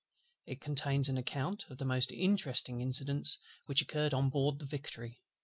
It contains an account of the most interesting incidents which occurred on board the Victory.